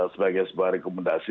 sebagai sebuah rekomendasi